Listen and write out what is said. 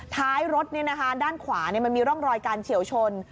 ท้ายรถด้านขวามันมีร่องรอยการเฉียวชน